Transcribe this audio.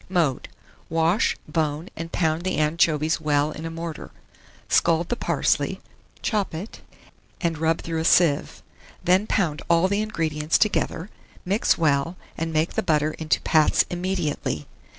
Mode. Wash, bone, and pound the anchovies well in a mortar; scald the parsley, chop it, and rub through a sieve; then pound all the ingredients together, mix well, and make the butter into pats immediately.